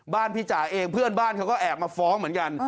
พี่จ๋าเองเพื่อนบ้านเขาก็แอบมาฟ้องเหมือนกัน